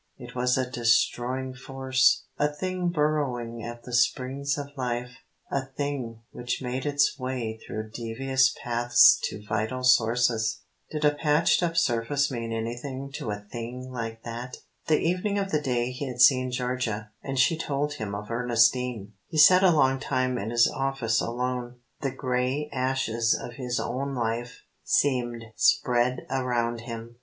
It was a destroying force, a thing burrowing at the springs of life, a thing which made its way through devious paths to vital sources. Did a patched up surface mean anything to a thing like that? The evening of the day he had seen Georgia, and she told him of Ernestine, he sat a long time in his office alone. The grey ashes of his own life seemed spread around him.